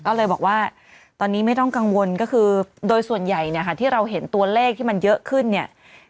ก็เลยบอกว่าตอนนี้ไม่ต้องกังวลก็คือโดยส่วนใหญ่เนี่ยค่ะที่เราเห็นตัวเลขที่มันเยอะขึ้นเนี่ย